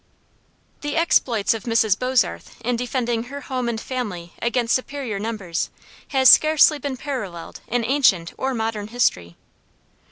The exploits of Mrs. Bozarth in defending her home and family against superior numbers, has scarcely been paralleled in ancient or modern history.